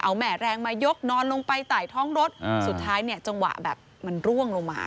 เอาแห่แรงมายกนอนลงไปใต้ท้องรถสุดท้ายเนี่ยจังหวะแบบมันร่วงลงมา